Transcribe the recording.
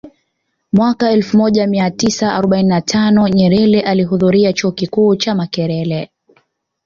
Mwaka elfu moja mia tisa arobaini na tano Nyerere alihudhuria Chuo Kikuu cha Makerere